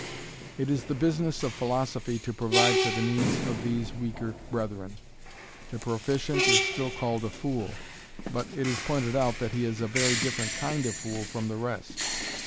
It is the business of philosophy to provide for the needs of these weaker brethren. The proficient is still called a fool, but it is pointed out that he is a very different kind of fool from the rest.